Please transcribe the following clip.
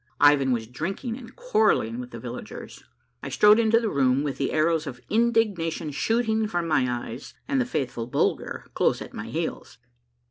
Ivan was drinking and quarrelling with the villagers. I strode into the room with the arrows of indignation shooting from my eyes, and the faithful Bulger close at my heels.